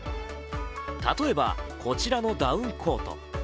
例えばこちらのダウンコート。